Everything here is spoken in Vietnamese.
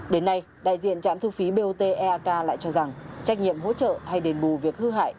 đến nay đại diện trạm thu phí bot eak lại cho rằng trách nhiệm hỗ trợ hay đền bù việc hư hại